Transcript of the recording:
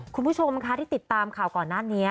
คุณผู้ชมคะที่ติดตามข่าวก่อนหน้านี้